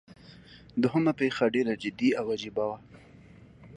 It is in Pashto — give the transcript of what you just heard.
دوهمه پیښه ډیره جدي او عجیبه وه.